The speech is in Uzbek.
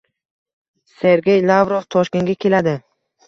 Sergey Lavrov Toshkentga keladi